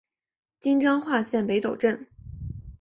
今彰化县北斗镇。